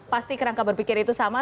pasti kerangka berpikir itu sama